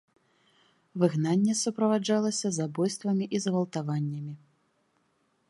Выгнанне суправаджалася забойствамі і згвалтаваннямі.